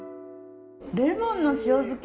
レモンの塩漬け！？